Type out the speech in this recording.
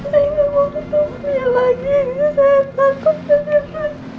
saya nggak mau ketemu dia lagi saya takut neneng